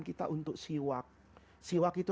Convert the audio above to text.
kita untuk siwak siwak itu